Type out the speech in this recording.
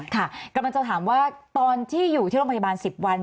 กำลังจะถามว่าตอนที่อยู่ที่โรงพยาบาล๑๐วัน